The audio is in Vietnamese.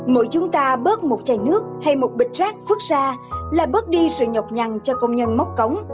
mỗi chúng ta bớt một chai nước hay một bịch rác vứt ra là bớt đi sự nhọc nhằn cho công nhân móc cống